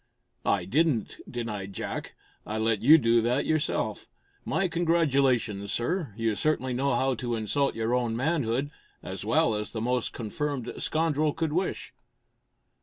"I didn't," denied Jack. "I let you do that yourself. My congratulations, sir. You certainly know how to insult your own manhood as well as the most confirmed scoundrel could wish!"